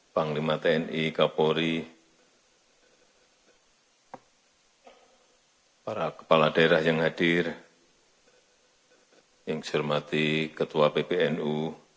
panglima tni kapolri para kepala daerah yang hadir yang saya hormati ketua pbnu